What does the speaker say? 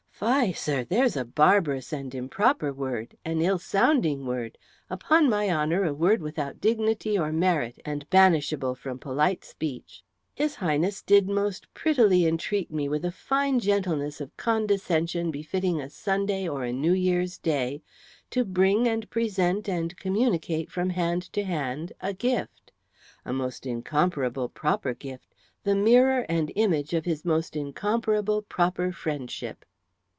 "Fie, sir! There's a barbarous and improper word, an ill sounding word; upon my honour, a word without dignity or merit and banishable from polite speech. His Highness did most prettily entreat me with a fine gentleness of condescension befitting a Sunday or a New Year's Day to bring and present and communicate from hand to hand a gift, a most incomparable proper gift, the mirror and image of his most incomparable proper friendship."